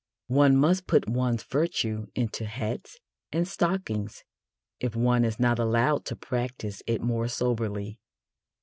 One must put one's virtue into hats and stockings if one is not allowed to practise it more soberly.